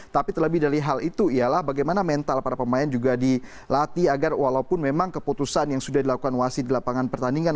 tapi terlebih dari hal itu ialah bagaimana mental para pemain juga dilatih agar walaupun memang keputusan yang sudah dilakukan wasit di lapangan pertandingan